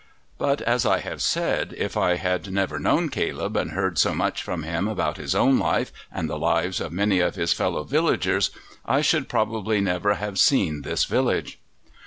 But as I have said, if I had never known Caleb and heard so much from him about his own life and the lives of many of his fellow villagers, I should probably never have seen this village.